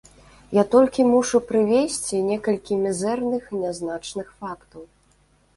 Я толькі мушу прывесці некалькі мізэрных, нязначных фактаў.